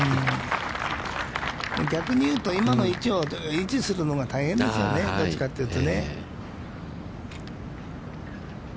逆に言うと、今の位置を維持するのが大変ですよね、どちらかというと。